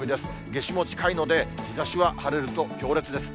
夏至も近いので、日ざしは晴れると強烈です。